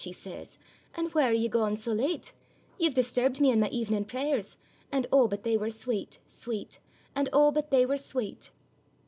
she says, 'And where are ye gaun sae late? Ye've disturbed me in my evening prayers, And O! but they were sweit, sweit; And O! but they were sweit.